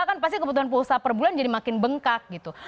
kan pasti kebutuhan pulsa per bulan jadi makin bengkak gitu